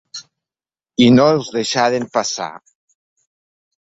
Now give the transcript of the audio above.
I no els deixaren passar.